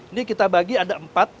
ini kita bagi ada empat